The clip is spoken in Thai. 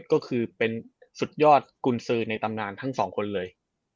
ก็คือเป็นสุดยอดกุญสือในตำนานทั้งสองคนเลย